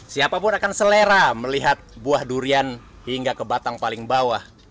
siapapun akan selera melihat buah durian hingga ke batang paling bawah